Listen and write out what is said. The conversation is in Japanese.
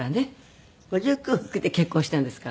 ５９で結婚しているんですから。